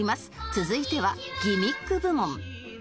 続いてはギミック部門